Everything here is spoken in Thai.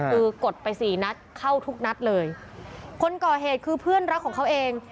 คือกดไปสี่นัดเข้าทุกนัดเลยคนก่อเหตุคือเพื่อนรักของเขาเอง